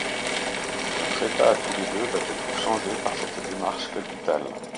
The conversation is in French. Notre état à tous les deux va être changé par cette démarche capitale.